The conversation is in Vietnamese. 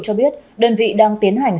cho biết đơn vị đang tiến hành